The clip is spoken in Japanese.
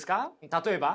例えば？